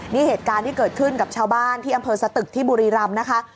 นี่เหตุการณ์ที่เกิดขึ้นกับชาวบ้านที่อำเภอสตึกที่บุรีรำนะคะ